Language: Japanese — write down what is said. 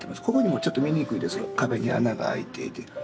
ここにもちょっと見にくいですけど壁に穴が開いていて。